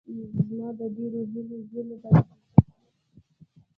زما د ډېرو هلو ځلو په نتیجه کې.